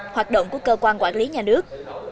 hoạt động của cơ quan quản lý nhà nước